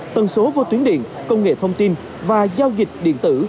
tần số vô tuyến điện công nghệ thông tin và giao dịch điện tử